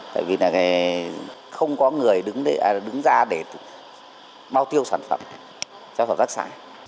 tại vì là không có người đứng ra để bao tiêu sản phẩm cho hợp tác xã